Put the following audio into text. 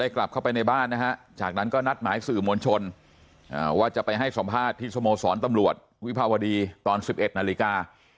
กลับเข้าไปในบ้านนะฮะจากนั้นก็นัดหมายสื่อมวลชนว่าจะไปให้สัมภาษณ์ที่สโมสรตำรวจวิภาวดีตอน๑๑นาฬิกา